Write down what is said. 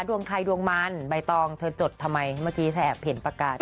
ดวงใครดวงมันใบตองเธอจดทำไมเมื่อกี้เธอแอบเห็นประกาศ